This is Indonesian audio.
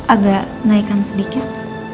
agak naikkan sedikit